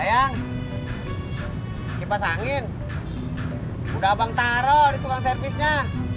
ayang kipas angin udah abang taro di tukang servisnya